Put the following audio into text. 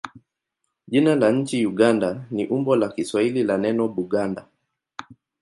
Jina la nchi Uganda ni umbo la Kiswahili la neno Buganda.